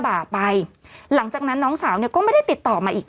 บ่าไปหลังจากนั้นน้องสาวเนี่ยก็ไม่ได้ติดต่อมาอีก